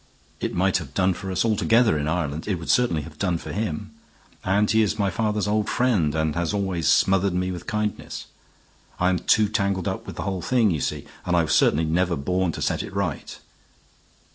It might have done for us altogether in Ireland; it would certainly have done for him. And he is my father's old friend, and has always smothered me with kindness. I am too tangled up with the whole thing, you see, and I was certainly never born to set it right.